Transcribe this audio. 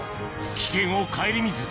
危険を顧みず